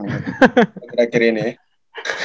akhir akhir ini ya